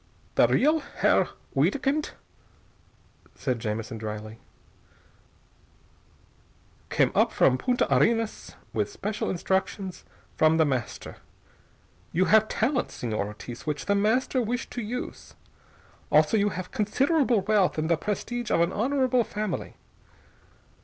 "The real Herr Wiedkind," said Jamison dryly, "came up from Punta Arenas with special instructions from The Master. You have talents, Señor Ortiz, which The Master wished to use. Also you have considerable wealth and the prestige of an honorable family.